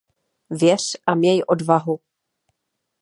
Věř a měj odvahu!